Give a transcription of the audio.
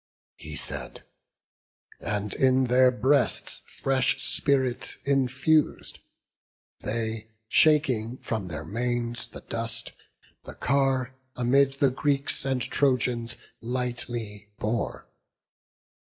He said, and in their breasts fresh spirit infus'd; They, shaking from their manes the dust, the car Amid the Greeks and Trojans lightly bore.